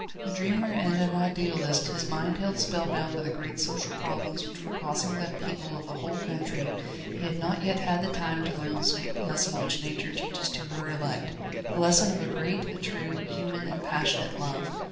A dreamer and an idealist, his mind held spellbound by the great social problems which were causing the upheaval of a whole country, he had not yet had the time to learn the sweet lesson which Nature teaches to her elect the lesson of a great, a true, human and passionate love.